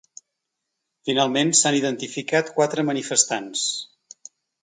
Finalment, s’han identificat quatre manifestants.